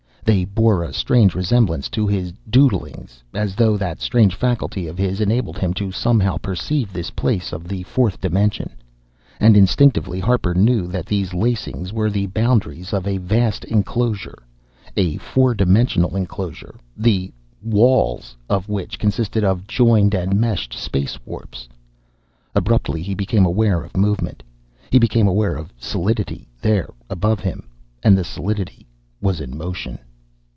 They bore a strange resemblance to his "doodlings," as though that strange faculty of his enabled him to somehow perceive this place of the fourth dimension. And instinctively Harper knew that these lacings were the boundaries of a vast enclosure a four dimensional enclosure, the "walls" of which consisted of joined and meshed space warps. Abruptly he became aware of movement. He became aware of solidity there above him. And the solidity was in motion.